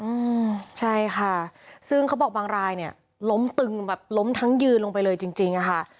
อืมใช่ค่ะซึ่งเขาบอกบางรายเนี่ยล้มตึงแบบล้มทั้งยืนลงไปเลยจริงจริงอ่ะค่ะ